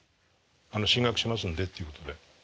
進学しますんでっていうことで。